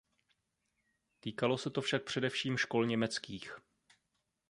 Týkalo se to však především škol německých.